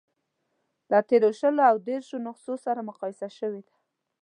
له تېرو شلو او دېرشو نسخو سره مقایسه شوې ده.